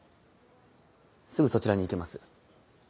すぐそちらに行きます。